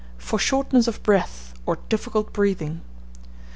FOR SHORTNESS OF BREATH, OR DIFFICULT BREATHING.